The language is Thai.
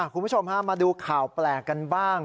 คุณผู้ชมฮะมาดูข่าวแปลกกันบ้าง